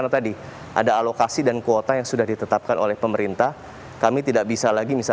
keterlambatan solar di jatim merupakan persoalan berbeda